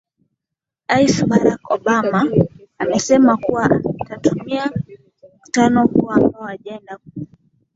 ais barack obama amesema kuwa atatumia mkutano huo ambao ajenda kuu